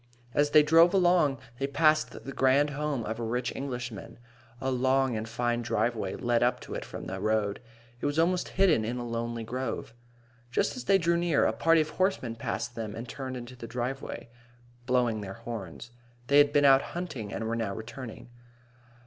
As they drove along, they passed the grand home of a rich Englishman. A long and fine driveway led up to it from the road. It was almost hidden in a lovely grove. Just as they drew near, a party of horsemen passed them and turned into the driveway, blowing their horns. They had been out hunting and were now returning.